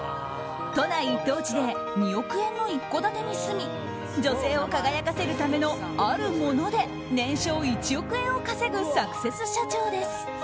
都内一等地で２億円の一戸建てに住み女性を輝かせるためのあるもので年商１億円を稼ぐサクセス社長です。